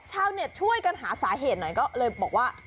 ชาวเน็ตช่วยกันหาสาเหตุหน่อยก็เลยบอกว่า